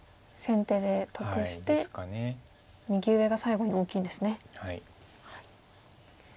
先手で得して右上が最後に大きいんですね。